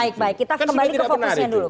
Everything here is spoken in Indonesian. baik baik kita kembali ke fokusnya dulu